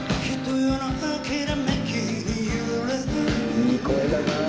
「いい声だなあ」